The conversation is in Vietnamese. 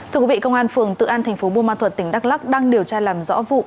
thưa quý vị công an phường tự an thành phố buôn ma thuật tỉnh đắk lắc đang điều tra làm rõ vụ